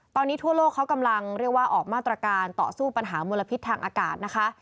ตอนนี้ทั่วโลกเขากำลังเรียกว่าออกมาตรการต่อสู้ปัญหามลพิษทางอากาศนะคะ